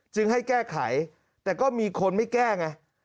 ให้แก้ไขแต่ก็มีคนไม่แก้ไง